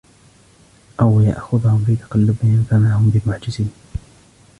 أو يأخذهم في تقلبهم فما هم بمعجزين